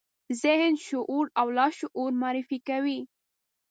ذهن، شعور او لاشعور معرفي کوي.